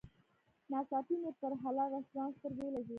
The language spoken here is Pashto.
ناڅاپي مې پر حلال رسټورانټ سترګې ولګېدې.